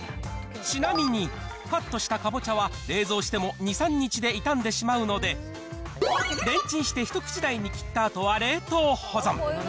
ちなみに、カットしたかぼちゃは冷蔵しても２、３日で傷んでしまうので、レンチンして一口大に切ったあとは冷凍保存。